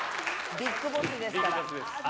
ビッグボスです。